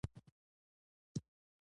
اوبه له خاورې سره یوځای برکت جوړوي.